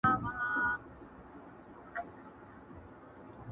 تفسير دي راته شیخه د ژوند سم ویلی نه دی،